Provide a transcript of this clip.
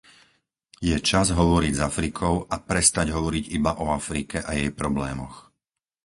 Je čas hovoriť s Afrikou a prestať hovoriť iba o Afrike a jej problémoch.